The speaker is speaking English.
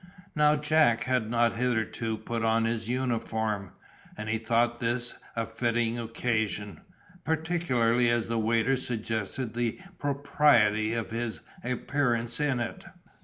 Now Jack had not hitherto put on his uniform, and he thought this a fitting occasion, particularly as the waiter suggested the propriety of his appearance in it.